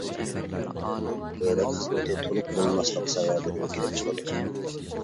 بۆرەك خىزمىتى تولۇق بولماسلىق سەۋەبىدىن كېلىپ چىقىدۇ.